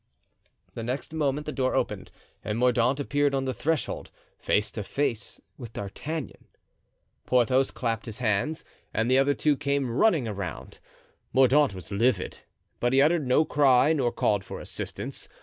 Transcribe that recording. The next moment the door opened and Mordaunt appeared on the threshold, face to face with D'Artagnan. Porthos clapped his hands and the other two came running around. Mordaunt was livid, but he uttered no cry nor called for assistance.